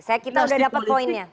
saya kira kita sudah dapat poinnya